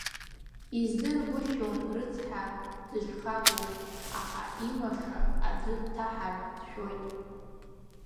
Издыргәышьом рыцҳа дышхагоу, аха имаша аӡәы дҭаҳар ҳәа дшәоит.